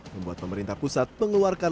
membuat pemerintah pusat mengeluarkan